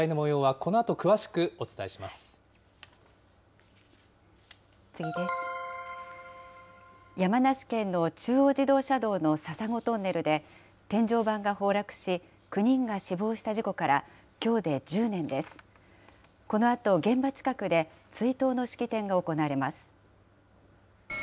このあと、現場近くで、追悼の式典が行われます。